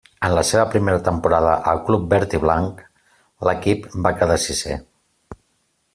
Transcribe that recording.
En la seva primera temporada al club verd-i-blanc l'equip va quedar sisè.